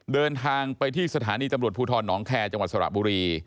เดินทางไปที่สถานีตำรวจภูทรหนองแคร์จังหวัดสระบุรี